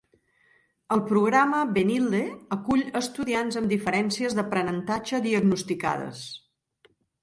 El Programa Benilde acull estudiants amb diferències d'aprenentatge diagnosticades.